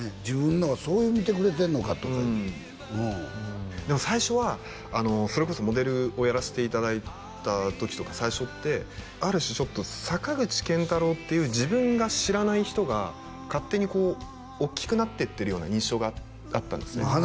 自分のをそう見てくれてんのかとかでも最初はそれこそモデルをやらせていただいた時とか最初ってある種ちょっと坂口健太郎っていう自分が知らない人が勝手にこうおっきくなってってるような印象があったんですね